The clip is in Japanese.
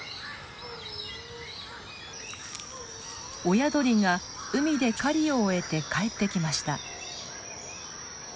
親鳥が海で狩りを終えて帰ってきました。